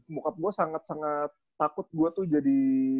mokap gue sangat sangat takut gue tuh jadi